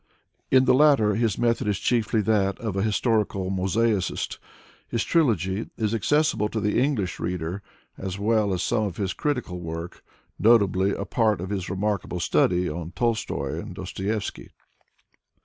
In the latter his method is chiefly that of an historical mosaicist. His trilogy is accessible to the English reader, as well as some of his critical work, notably a part of his remarkable study on Tolstoy and Dostoyevsky.